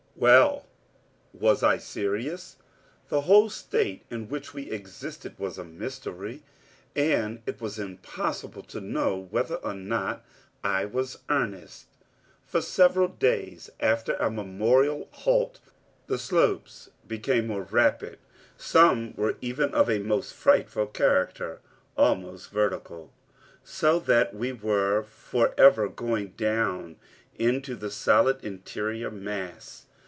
Well, was I serious? The whole state in which we existed was a mystery and it was impossible to know whether or not I was in earnest. For several days after our memorable halt, the slopes became more rapid some were even of a most frightful character almost vertical, so that we were forever going down into the solid interior mass.